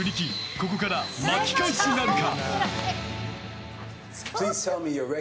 ここから巻き返しなるか？